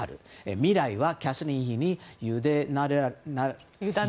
未来はキャサリン妃にゆだね。